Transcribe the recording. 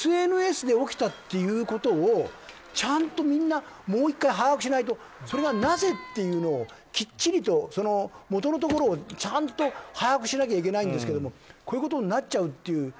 ＳＮＳで起きたっていうことをちゃんとみんなもう１回把握しないと、それがなぜっていうのをきっちりと元のところをちゃんと把握しないといけないんですがこういうことになっちゃうという。